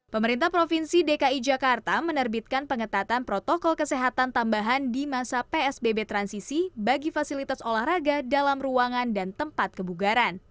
pemerintah provinsi dki jakarta menerbitkan pengetatan protokol kesehatan tambahan di masa psbb transisi bagi fasilitas olahraga dalam ruangan dan tempat kebugaran